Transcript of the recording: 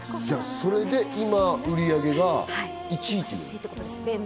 それで今、売り上げが１位ってこと？